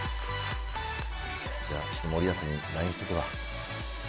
じゃあちょっと森保にＬＩＮＥしとくわ。